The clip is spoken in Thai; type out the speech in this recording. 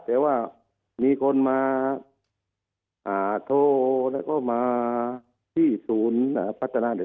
แต่ว่ามีคนมาโทรแล้วก็มาที่ศูนย์พัฒนาเด็ก